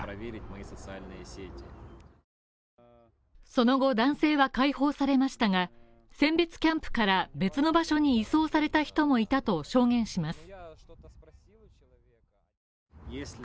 その後男性は解放されましたが、選別キャンプから別の場所に移送された人もいたと証言します。